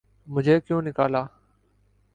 ''مجھے کیوں نکالا‘‘۔